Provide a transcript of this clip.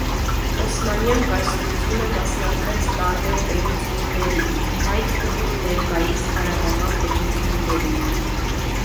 Օսմանյան կայսրությունը մասնատվեց տարբեր պետությունների, այդ թվում ներկայիս արաբական պետությունների։